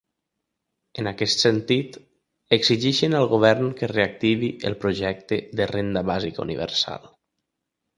En aquest sentit, exigeixen al govern que reactivi el projecte de renda bàsica universal.